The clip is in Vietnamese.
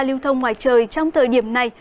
lưu thông ngoài trời trong thời điểm này